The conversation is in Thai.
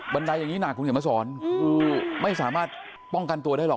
ไดอย่างนี้หนักคุณเขียนมาสอนคือไม่สามารถป้องกันตัวได้หรอก